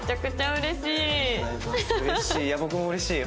うれしいいや僕もうれしいよ。